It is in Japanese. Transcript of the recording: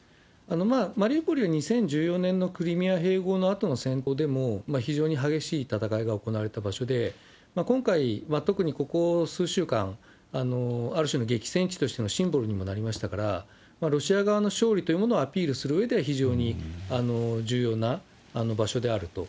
マリウポリは、２０１４年のクリミア併合のあとの戦闘でも非常に激しい戦いが行われた場所で、今回、特にここ数週間、ある種の激戦地としてのシンボルにもなりましたから、ロシア側の勝利というものをアピールするうえでは、非常に重要な場所であると。